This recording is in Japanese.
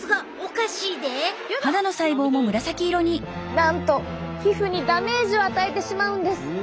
なんと皮膚にダメージを与えてしまうんです。